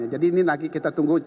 jadi ini lagi kita tunggu